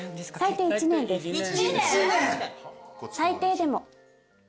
最低でも。